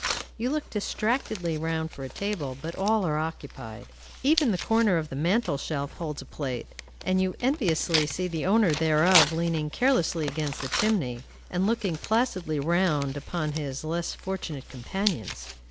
You look distractedly round for a table, but all are occupied. Even the corner of the mantel shelf holds a plate, and you enviously see the owner thereof leaning carelessly against the chimney, and looking placidly round upon his less fortunate companions.